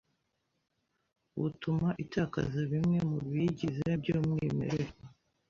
butuma itakaza bimwe mu biyigize by’umwimerere